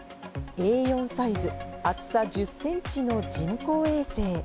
Ａ４サイズ、厚さ１０センチの人工衛星。